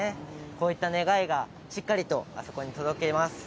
こういった願い、しっかりとあそこに届けます。